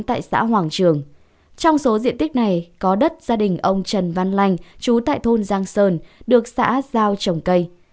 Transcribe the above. trong số diện tích này có đất gia đình ông trần văn lanh chú tại thôn giang sơn được xã giao trồng cây